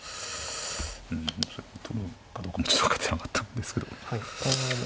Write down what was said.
うん取るかどうかもちょっと分かってなかったんですけど。